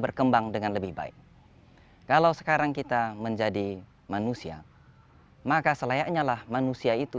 berkembang dengan lebih baik kalau sekarang kita menjadi manusia maka selayaknyalah manusia itu